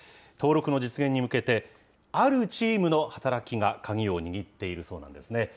登録の実現に向けてあるチームの働きが鍵を握っているそうなんですね。